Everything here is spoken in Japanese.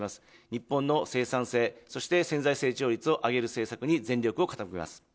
日本の生産性、そして潜在成長率を上げる政策に全力を傾けます。